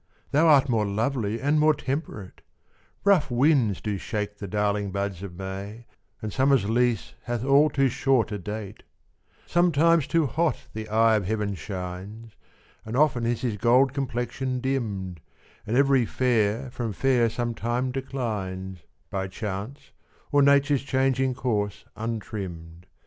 Thou art more lovely and more temperate: Rough winds do shake the darling buds of May, And summer's lease hath all too short a date: Sometime too hot the eye of heaven shines, And often is his gold complexion dimm'd, And every fair from fair sometime declines, By chance, or nature's changing course, untrimm'd.